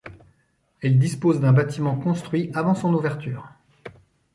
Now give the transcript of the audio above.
Elle dispose d'un bâtiment construit avant son ouverture.